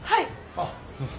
あっどうも。